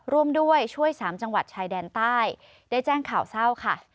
ร่วมด้วยช่วย๓จังหวัดชายแดนใต้ได้แจ้งข่าวเศร้าค่ะ